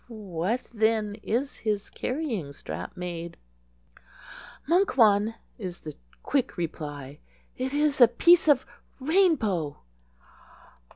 "Of what, then, is his carrying strap made?" "Muncwan," is the quick reply. "It is a piece of rainbow."